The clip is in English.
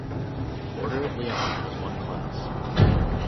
Order of Leon has one class.